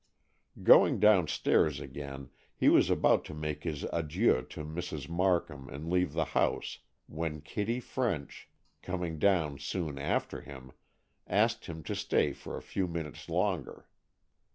Going downstairs again, he was about to make his adieux to Mrs. Markham and leave the house, when Kitty French, coming down soon after him, asked him to stay a few minutes longer.